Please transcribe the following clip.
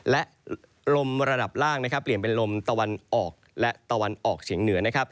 และลมระดับล่างเปลี่ยนเป็นลมตะวันออกและตะวันออกเฉียงเหนือ